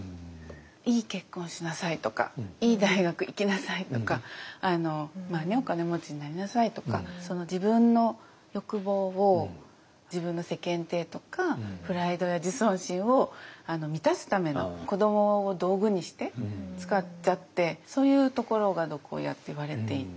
いい結婚をしなさいとかいい大学行きなさいとかまあねお金持ちになりなさいとか自分の欲望を自分の世間体とかプライドや自尊心を満たすための子どもを道具にして使っちゃってそういうところが毒親っていわれていて。